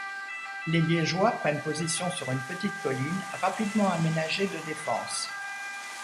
Les Liégeois prennent position sur une petite colline rapidement aménagée de défenses.